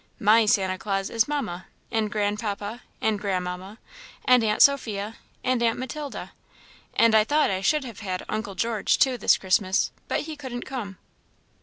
My Santa Claus is Mamma, and Grandpapa, and Grandmamma, and Aunt Sophia, and Aunt Matilda; and I thought I should have had Uncle George, too, this Christmas, but he couldn't come.